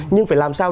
nhưng phải làm sao